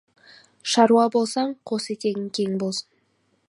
Шаруа болсаң, қос етегің кең болсын.